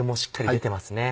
出てますね。